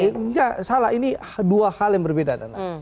tidak salah ini dua hal yang berbeda